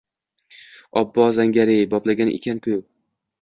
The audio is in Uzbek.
Obbo zang‘ar-ey, boplagan ekan-ku